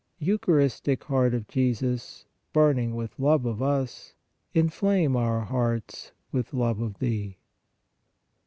Eucharistic Heart of Jesus, burning with love of us, inflame our hearts with love of Thee.